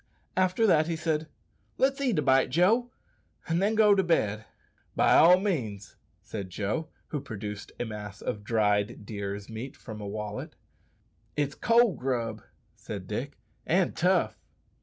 After that he said, "Let's eat a bite, Joe, and then go to bed." "Be all means," said Joe, who produced a mass of dried deer's meat from a wallet. "It's cold grub," said Dick, "and tough."